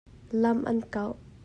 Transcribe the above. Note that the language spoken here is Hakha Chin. Lam an kauh.